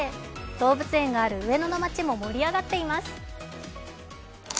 動物園がある上野の街も盛り上がっています。